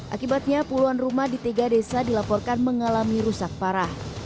akibatnya puluhan rumah di tiga desa dilaporkan mengalami rusak parah